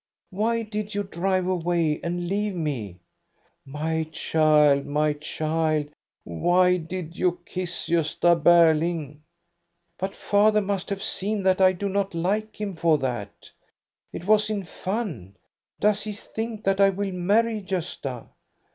Why did you drive away and leave me?" " My child, my child, why did you kiss Gosta Berling?" '' But father must have seen that I do not like him 100 THE STORY OF GOSTA BERUNG for that. It was in fun. Does he think that I will marry Gosta?"